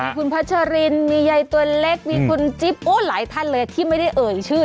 คุณพัชรินมีใยตัวเล็กมีคุณจิ๊บโอ้หลายท่านเลยที่ไม่ได้เอ่ยชื่อ